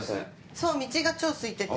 そう道が超すいてて。